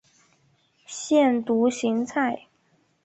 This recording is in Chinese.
腺独行菜